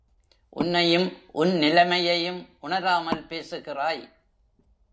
உன்னையும் உன் நிலைமையையும் உணராமல் பேசுகிறாய்.